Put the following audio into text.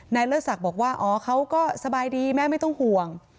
เลิศศักดิ์บอกว่าอ๋อเขาก็สบายดีแม่ไม่ต้องห่วง